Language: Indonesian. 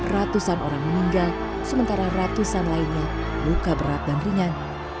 ratusan orang meninggal sementara ratusan lainnya luka berat dan ringan